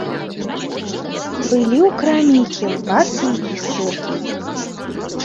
Былі ў краме і кілбасы, і сыр.